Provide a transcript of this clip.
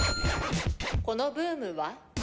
このブームは？